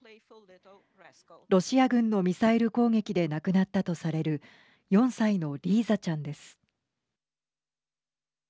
ロシア軍のミサイル攻撃で亡くなったとされる４歳のリーザちゃんです。